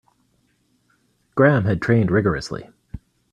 Graham had trained rigourously.